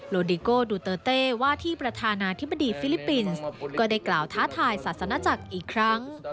ดิโก้ดูเตอร์เต้ว่าที่ประธานาธิบดีฟิลิปปินส์ก็ได้กล่าวท้าทายศาสนาจักรอีกครั้ง